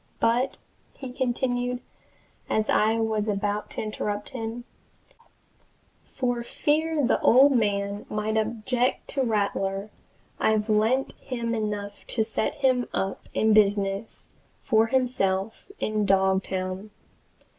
But," he continued, as I was about to interrupt him, "for fear the old man might object to Rattler, I've lent him enough to set him up in business for himself in Dogtown.